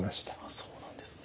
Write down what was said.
そうなんですね。